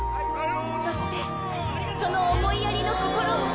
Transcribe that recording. そしてその思いやりの心も。